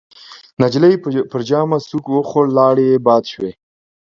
نجلۍ پر ژامه سوک وخوړ، لاړې يې باد شوې.